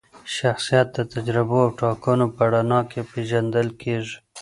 شخصیت د تجربو او ټاکنو په رڼا کي پیژندل کیږي.